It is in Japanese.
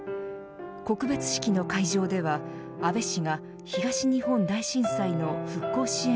告別式の会場では安倍氏が東日本大震災の復興支援